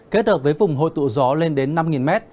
kết hợp với vùng hôi tụ gió lên đến năm m